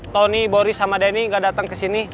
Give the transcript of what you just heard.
tony boris sama denny gak dateng kesini